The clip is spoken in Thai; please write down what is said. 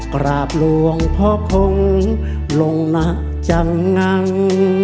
กราบหลวงพ่อคงลงหนักจังงัง